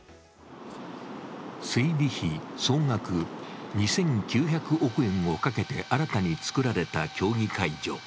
整備費総額２９００億円をかけて新たに造られた競技会場。